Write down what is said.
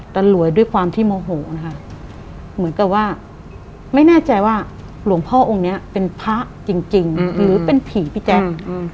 แต่หลวยด้วยความที่โมโหนะคะเหมือนกับว่าไม่แน่ใจว่าหลวงพ่อองค์นี้เป็นพระจริงหรือเป็นผีพี่แจ๊ค